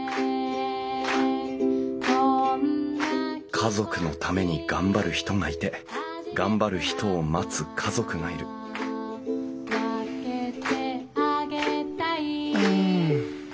家族のために頑張る人がいて頑張る人を待つ家族がいるうん。